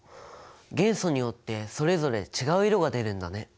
元素によってそれぞれ違う色が出るんだね。